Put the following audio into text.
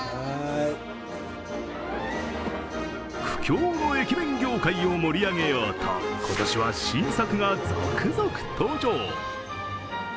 苦境の駅伝業界を盛り上げようと、今年は新作が続々登場。